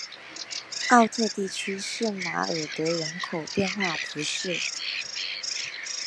奥特地区圣马尔德人口变化图示